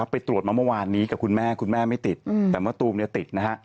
ไปตรวจมาเมื่อวานนี้กับคุณแม่คุณแม่ไม่ติดแต่มะตูมเนี่ยติดนะฮะ